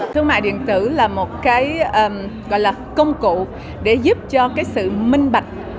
thương mại điện tử là một cái gọi là công cụ để giúp cho cái sự minh bạch